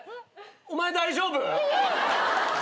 お前大丈夫？